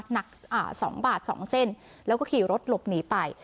หนักอ่าสองบาทสองเส้นแล้วก็ขี่รถหลบหนีไป